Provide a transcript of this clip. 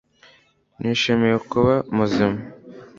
Nishimiye kuba muzima